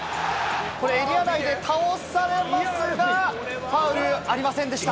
エリア内で倒されますがファウルありませんでした。